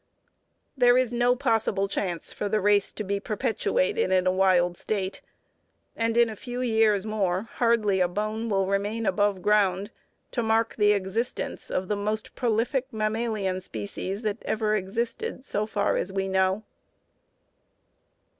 There is no possible chance for the race to be perpetuated in a wild state, and in a few years more hardly a bone will remain above ground to mark the existence of the must prolific mammalian species that ever existed, so far as we know.